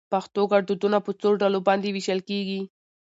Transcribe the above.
پښتو ګړدودونه په څو ډلو باندي ويشل کېږي؟